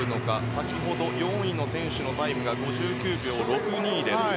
先ほど、４位の選手のタイムが５９秒６２でした。